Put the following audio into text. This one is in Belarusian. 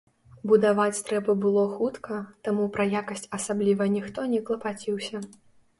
Будаваць трэба было хутка, таму пра якасць асабліва ніхто не клапаціўся.